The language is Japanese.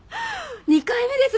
２回目です